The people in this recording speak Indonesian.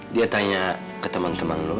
dia tanya ke temen temen lu